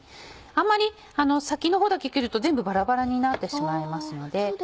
あんまり先のほうだけ切ると全部バラバラになってしまいますので。